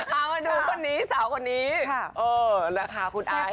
เอามาดูคนนี้สาวคนนี้คุณไอซ์